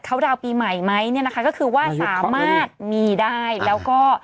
เขาดาวน์ปีใหม่ไหมเนี่ยนะคะก็คือว่าสามารถมีได้แล้วก็